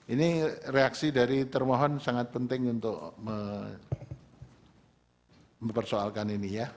ini reaksi dari termohon sangat penting untuk mempersoalkan ini ya